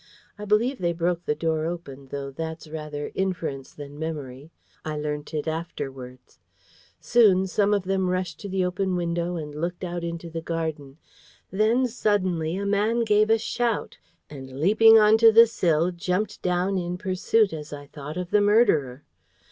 I believe they broke the door open, though that's rather inference than memory; I learnt it afterwards. Soon some of them rushed to the open window and looked out into the garden. Then, suddenly, a man gave a shout, and leaping on to the sill, jumped down in pursuit, as I thought, of the murderer.